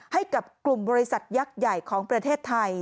ให้กับกลุ่มบริษัทยักษ์ใหญ่ของประเทศไทย